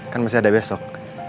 kan masih ada besok